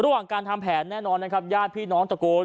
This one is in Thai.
ระหว่างการทำแผนแน่นอนนะครับญาติพี่น้องตะโกน